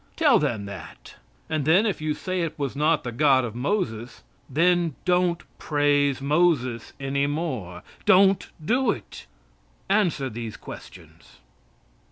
Tell them that, and then if you say it was not the God of Moses, then don't praise Moses any more. Don't do it. Answer these questions.